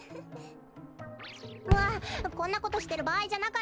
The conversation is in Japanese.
わっこんなことしてるばあいじゃなかったわ！